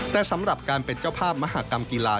แต่สำหรับการเป็นเจ้าภาพมหากรรมกีฬา